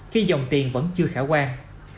khi dòng tiền vẫn chưa khả quan